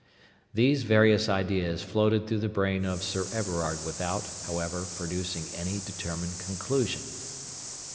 These various ideas floated through the brain of Sir Everard without, however, producing any determined conclusion.